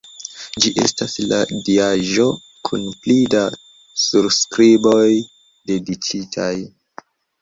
Ĝi estas la diaĵo kun pli da surskriboj dediĉitaj.